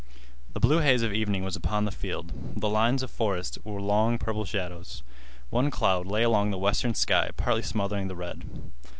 The blue haze of evening was upon the field. The lines of forest were long purple shadows. One cloud lay along the western sky partly smothering the red.